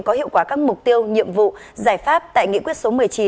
có hiệu quả các mục tiêu nhiệm vụ giải pháp tại nghị quyết số một mươi chín